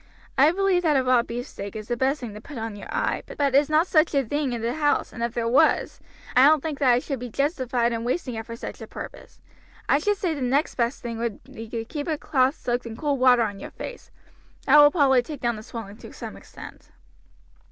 I believe that a raw beefsteak is the best thing to put on your eye, but is not such a thing in the house, and if there was, I don't think that I should be justified in wasting it for such a purpose. I should say the next best thing would be to keep a cloth soaked in cold water on your face; that will probably take down the swelling to some extent."